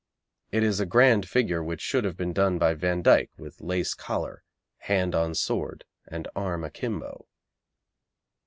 It is a grand figure which should have been done by Van Dyck with lace collar, hand on sword, and arm akimbo.